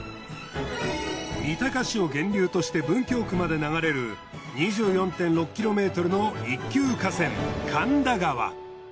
三鷹市を源流として文京区まで流れる２４．６ｋｍの一級河川神田川。